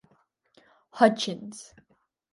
Hutchins.